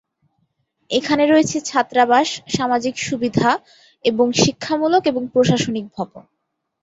এখানে রয়েছে ছাত্রাবাস, সামাজিক সুবিধা এবং শিক্ষামূলক এবং প্রশাসনিক ভবন।